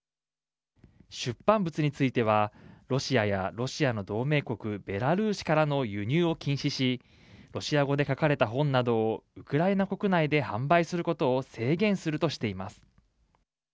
出版物についてはロシアやロシアの同盟国ベラルーシからの輸入を禁止しロシア語で書かれた本などをウクライナ国内で販売することを制限するとしています。